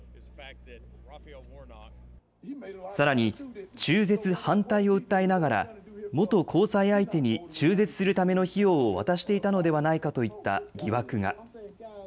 さらに中絶反対を訴えながら元交際相手に中絶するための費用を渡していたのではないかといった疑惑が。